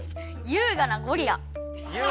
「優雅なゴリラ」や。